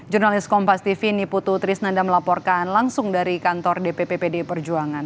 jurnalis kompas tv niputu trisnanda melaporkan langsung dari kantor dpp pd perjuangan